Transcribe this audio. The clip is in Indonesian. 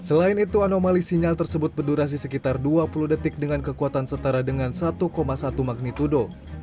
selain itu anomali sinyal tersebut berdurasi sekitar dua puluh detik dengan kekuatan setara dengan satu satu magnitudo